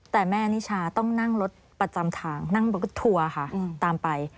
แต่แม่นิชาต้องนั่งรถประจำทางนั่งรถทัวร์ค่ะตามไป